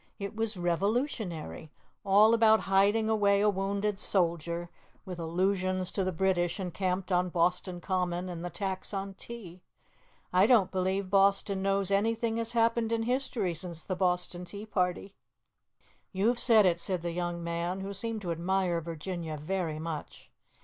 it was Revolutionary. All about hiding away a wounded soldier, with allusions to the British encamped on Boston Common, and the tax on tea. I don't believe Boston knows anything has happened in history since the Boston Tea Party." "You've said it," said the young man, who seemed to admire Virginia very much.